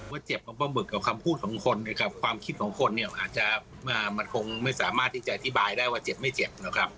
ว่าเจ็บของป้องบึกกับความคิดของคนเนี่ยอาจจะมันคงไม่สามารถที่จะอธิบายได้ว่าเจ็บไม่เจ็บนะครับ